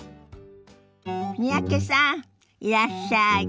三宅さんいらっしゃい。